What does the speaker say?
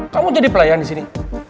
kamu jadi pelayan di sini